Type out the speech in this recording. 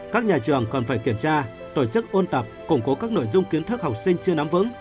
các nhà trường còn phải kiểm tra tổ chức ôn tập củng cố các nội dung kiến thức học sinh chưa nắm vững